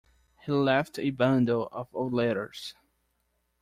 He left a bundle of old letters.